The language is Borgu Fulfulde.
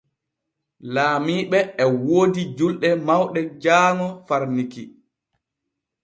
Laamiiɓe e woodi julɗe mawɗe jaaŋo far Niki.